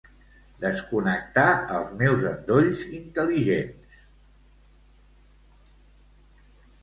Desconnectar els meus endolls intel·ligents.